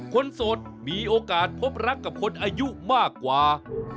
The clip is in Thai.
โสดมีโอกาสพบรักกับคนอายุมากกว่า